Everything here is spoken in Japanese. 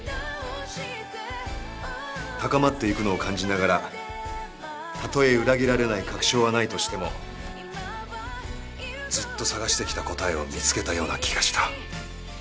「高まっていくのを感じながらたとえ裏切られない確証はないとしてもずっと探してきた答えを見つけたような気がした」